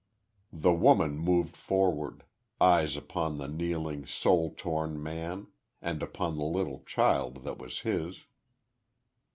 The woman moved forward, eyes upon the kneeling, soul torn man; and upon the little child that was his.